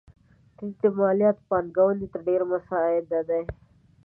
ټیټ مالیات پانګونې ته ډېر مساعد دي.